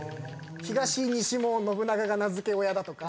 東・西も信長が名付け親だとか。